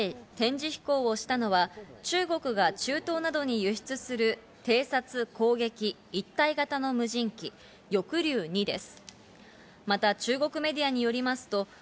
初めて展示飛行をしたのは中国が中東などに輸出する、偵察・攻撃一体型の無人機、「翼竜２」です。